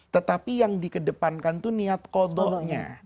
tetapi yang di kedepankan itu niat kodoknya